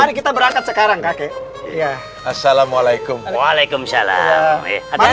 mari kita berangkat sekarang kakek ya assalamualaikum waalaikumsalam ada yang